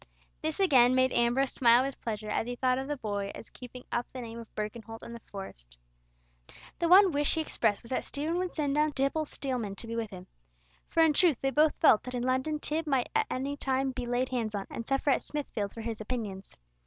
This again made Ambrose smile with pleasure as he thought of the boy as keeping up the name of Birkenholt in the Forest. The one wish he expressed was that Stephen would send down Tibble Steelman to be with him. For in truth they both felt that in London Tib might at any time be laid hands on, and suffer at Smithfield for his opinions.